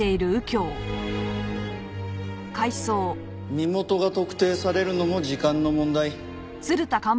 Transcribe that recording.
身元が特定されるのも時間の問題。